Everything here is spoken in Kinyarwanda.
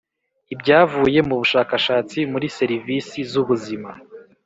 Ibyavuye mu bushakashatsi muri serivisi z ubuzima